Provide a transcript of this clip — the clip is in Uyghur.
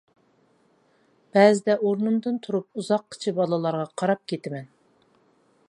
بەزىدە ئورنۇمدىن تۇرۇپ ئۇزاققىچە بالىلارغا قاراپ كېتىمەن.